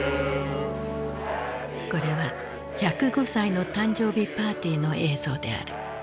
これは１０５歳の誕生日パーティーの映像である。